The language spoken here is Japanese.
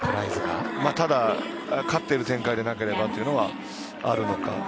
ただ、勝っている展開でなければというのはあるのか。